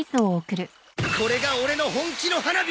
これがオレの本気の花火！